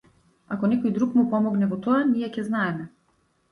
Ако некој друг му помогне во тоа, ние ќе знаеме.